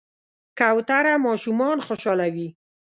کوتره ماشومان خوشحالوي.